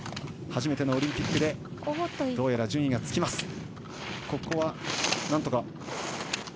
初めてのオリンピックでどうやら順位がつきます。